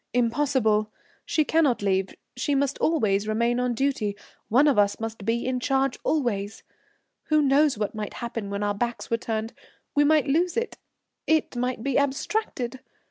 Impossible! She cannot leave she must remain on duty; one of us must be in charge always. Who knows what might happen when our backs were turned? We might lose it it might be abstracted.